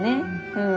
うん。